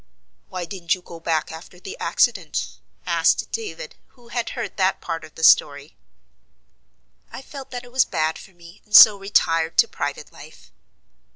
"Why didn't you go back after the accident?" asked David, who had heard that part of the story. "I felt that it was bad for me, and so retired to private life."